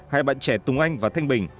hai bạn trẻ tùng anh và thanh bình